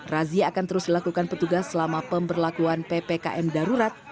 razia akan terus dilakukan petugas selama pemberlakuan ppkm darurat